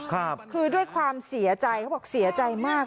คือด้วยความเสียใจเขาบอกเสียใจมาก